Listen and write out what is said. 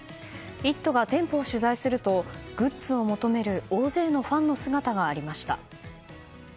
「イット！」が店舗を取材するとグッズを求める大勢のファンの姿がありました。